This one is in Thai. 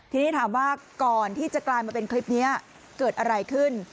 ทีนี้ถามว่าก่อนที่จะกลายมาเป็นคลิปนี้เกิดอะไรขึ้น